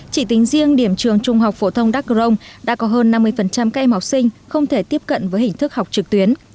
chỉ tính riêng điểm trường trung học phổ thông đắk rồng đã có hơn năm mươi các em học sinh không thể tiếp cận với hình thức học trực tuyến